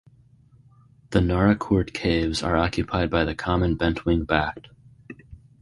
The Naracoorte caves are occupied by the common bent-wing bat.